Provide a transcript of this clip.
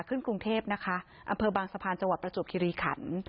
ขึ้นกรุงเทพนะคะอำเภอบางสะพานจังหวัดประจวบคิริขัน